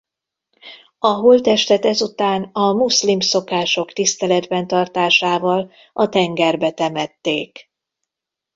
A holttestet ezután a muszlim szokások tiszteletben tartásával a tengerbe temették.